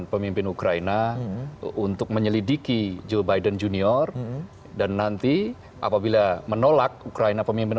pemimpin ukraina untuk menyelidiki joe biden junior dan nanti apabila menolak ukraina pemimpin